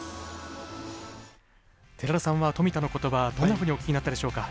寺田さんは富田の言葉どんなふうにお聞きになったでしょうか。